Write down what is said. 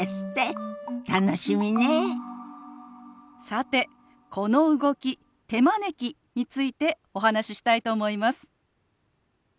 さてこの動き「手招き」についてお話ししたいと思います。